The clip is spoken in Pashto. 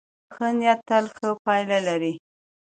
ښه نیت تل ښې پایلې لري.